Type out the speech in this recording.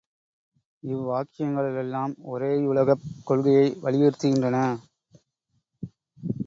இவ்வாக்கியங்களெல்லாம் ஒரேயுலகக் கொள்கையை வலியுறுத்துகின்றன.